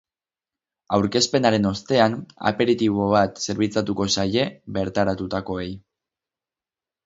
Aurkezpenaren ostean, aperitibo bat zerbitzatuko zaie bertaratutakoei.